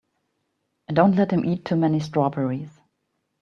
Don't let him eat too many strawberries.